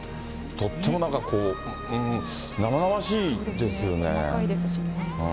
とってもなんか、生々しいですよね。